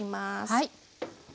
はい。